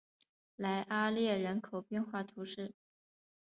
莱阿列人口变化图示